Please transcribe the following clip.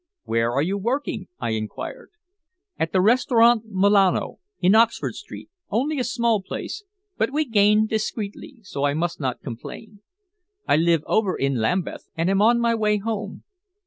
"Where are you working?" I inquired. "At the Restaurant Milano, in Oxford Street only a small place, but we gain discreetly, so I must not complain. I live over in Lambeth, and am on my way home."